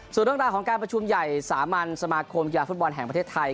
ส่วนเรื่องราวของการประชุมใหญ่สามัญสมาคมกีฬาฟุตบอลแห่งประเทศไทย